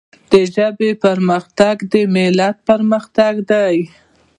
د ژبي پرمختګ د ملت پرمختګ دی.